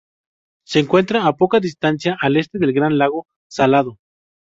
Se encuentra a poca distancia al este del Gran Lago Salado.